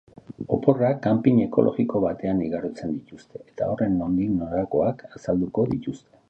Oporrak camping ekologiko batean igarotzen dituzte, eta horren nondik norakoak azalduko dituzte.